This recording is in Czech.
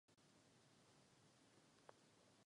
Postupně ale všechny začaly mluvit turecky.